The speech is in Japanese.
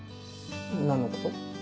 何のこと？